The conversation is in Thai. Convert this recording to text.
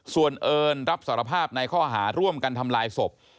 ส่วนเอิญรับสารภาพในข้อหาร่วมกันทำลายศพ